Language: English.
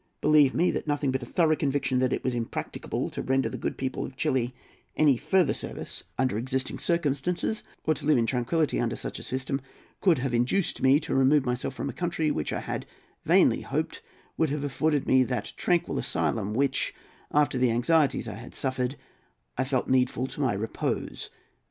Believe me that nothing but a thorough conviction that it was impracticable to render the good people of Chili any further service under existing circumstances, or to live in tranquillity under such a system, could have induced me to remove myself from a country which I had vainly hoped would have afforded me that tranquil asylum which, after the anxieties I had suffered, I felt needful to my repose.